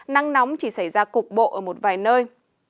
nắng nóng chỉ xảy ra cục bộ ở một vài nơi